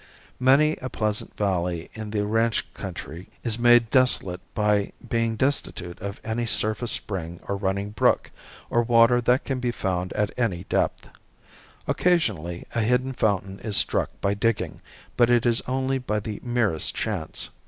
Many a pleasant valley in the range country is made desolate by being destitute of any surface spring or running brook, or water that can be found at any depth. Occasionally a hidden fountain is struck by digging, but it is only by the merest chance.